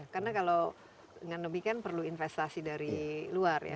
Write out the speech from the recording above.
karena kalau dengan demikian perlu investasi dari luar ya